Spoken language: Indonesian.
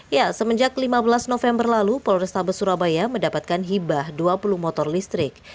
ya semenjak lima belas november lalu polrestabes surabaya mendapatkan hibah dua puluh motor listrik